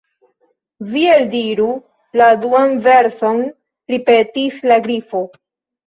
"Vi eldiru la duan verson," ripetis la Grifo.